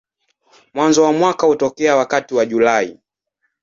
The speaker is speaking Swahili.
Mwanzo wa mwaka hutokea wakati wa Julai.